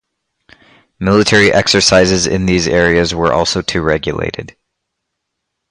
Military exercises in these areas were also to regulated.